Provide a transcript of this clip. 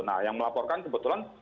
nah yang melaporkan kebetulan